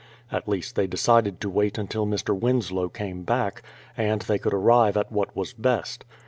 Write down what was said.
At least they decided to wait till Mr. Winslow came back, and they could arrive at what was best.